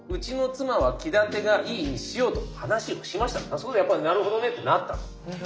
「そうだやっぱりなるほどね」ってなったんです。